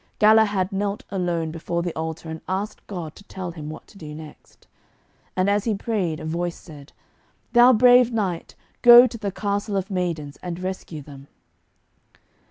Galahad knelt alone before the altar, and asked God to tell him what to do next. And as he prayed a voice said, 'Thou brave knight, go to the Castle of Maidens and rescue them.'